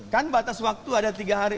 kan batas waktu ada tiga hari